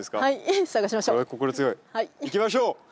はい探しましょう。